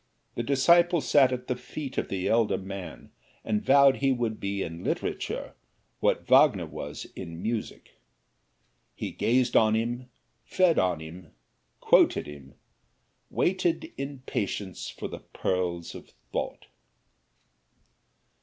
The disciple sat at the feet of the elder man, and vowed he would be in literature what Wagner was in music. He gazed on him, fed on him, quoted him, waiting in patience for the pearls of thought.